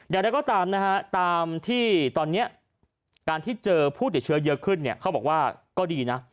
อย่างนั้นก็ตามที่ตอนนี้การที่เจอผู้ติดเชื้อเยอะขึ้นเขาบอกว่าก็ดีนะ